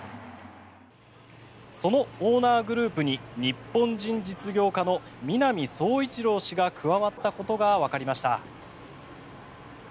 そのオーナーグループに日本人実業家の南壮一郎氏が加わったことがわかりました。